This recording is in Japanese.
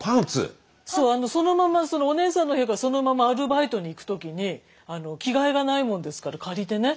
そうそのままお姉さんの部屋からそのままアルバイトに行く時に着替えがないもんですから借りてね。